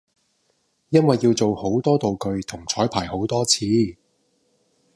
因為要做好多道具同彩排好多次